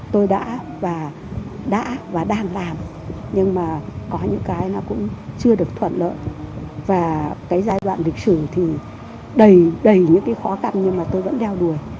tôi đã và đã và đang làm nhưng mà có những cái nó cũng chưa được thuận lợi và cái giai đoạn lịch sử thì đầy đầy những cái khó khăn nhưng mà tôi vẫn đeo đuổi